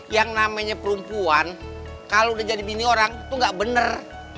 yang namanya perempuan kalau udah jadi pini orang tuh gak bener